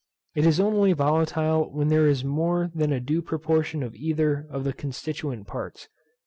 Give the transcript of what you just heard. It is only volatile when there is more than a due proportion of either of the constituent parts.